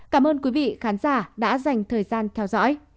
cảm ơn quý vị khán giả đã dành thời gian theo dõi